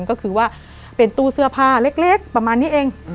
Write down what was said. ก็คือว่าเป็นตู้เสื้อผ้าเล็กประมาณนี้เอง